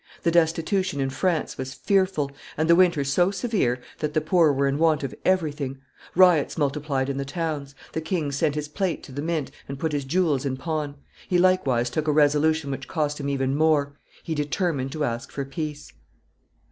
The destitution in France was fearful, and the winter so severe that the poor were in want of everything; riots multiplied in the towns; the king sent his plate to the mint, and put his jewels in pawn; he likewise took a resolution which cost him even more; he determined to ask for peace.